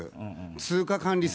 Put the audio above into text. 通貨管理制。